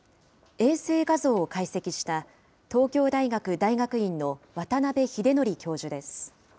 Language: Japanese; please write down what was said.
衛星画像を解析した、東京大学大学院の渡邉英徳教授です。